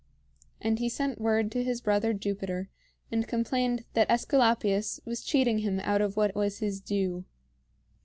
And he sent word to his brother Jupiter, and complained that AEsculapius was cheating him out of what was his due.